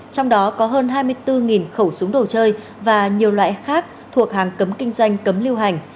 trong đó có hơn hai mươi bốn khẩu súng đồ chơi và nhiều loại khác thuộc hàng cấm kinh doanh cấm lưu hành